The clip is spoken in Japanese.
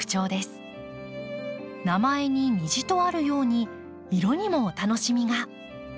名前に「虹」とあるように色にもお楽しみが。